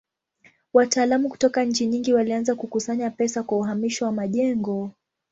Wataalamu kutoka nchi nyingi walianza kukusanya pesa kwa uhamisho wa majengo.